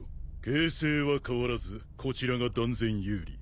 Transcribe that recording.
形勢は変わらずこちらが断然有利。